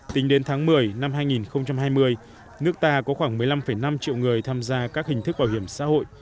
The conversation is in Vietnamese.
tính đến tháng một mươi năm hai nghìn hai mươi nước ta có khoảng một mươi năm năm triệu người tham gia các hình thức bảo hiểm xã hội